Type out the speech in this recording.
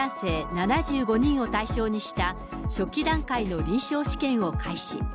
７５人を対象にした初期段階の臨床試験を開始。